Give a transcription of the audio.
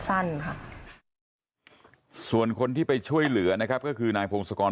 สั้นค่ะส่วนคนที่ไปช่วยเหลือนะครับก็คือนายพงศกร